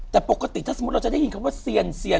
แต่ปกติเราก็จะได้ยินว่าเซียนเซียน